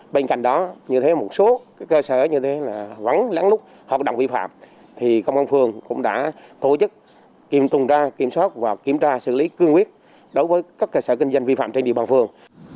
bên cạnh đó như thế một số cơ sở như thế là vẫn lén lút hoạt động vi phạm thì công an phường cũng đã tổ chức kiểm tuần tra kiểm soát và kiểm tra xử lý cương quyết đối với các cơ sở kinh doanh vi phạm trên địa bàn phường